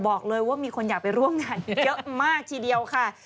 บอกเลยว่ามีคนอยากไปร่วมงานเยอะมากทีเดียวค่ะ